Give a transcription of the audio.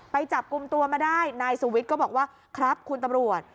ไปจับกลุ่มตัวมาได้นายสุวิทย์ก็บอกว่าครับคุณตำรวจ